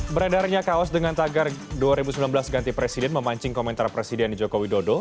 berada harinya kaos dengan tagar dua ribu sembilan belas ganti presiden memancing komentar presiden jokowi dodo